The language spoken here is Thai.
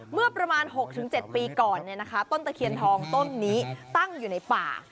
เมื่อประมาณ๖๗ปีก่อนต้นตะเคียนทองต้นนี้ตั้งอยู่ในป่า